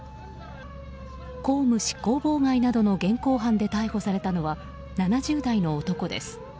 公務執行妨害などの現行犯で逮捕されたのは７０代の男です。